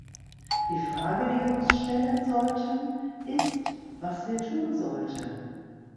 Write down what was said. Die Frage, die wir uns stellen sollten, ist, was wir tun sollten.